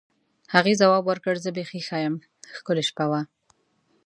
هغې ځواب ورکړ: زه بیخي ښه یم، ښکلې شپه وه.